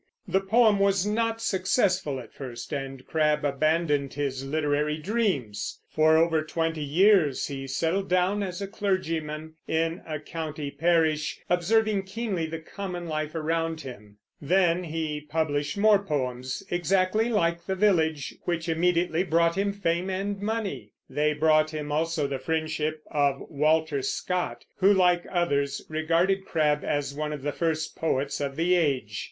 The poem was not successful at first, and Crabbe abandoned his literary dreams. For over twenty years he settled down as a clergyman in a country parish, observing keenly the common life about him. Then he published more poems, exactly like The Village, which immediately brought him fame and money. They brought him also the friendship of Walter Scott, who, like others, regarded Crabbe as one of the first poets of the age.